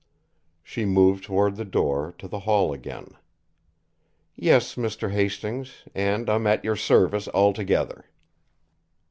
She moved toward the door to the hall again. "Yes, Mr. Hastings and I'm at your service altogether."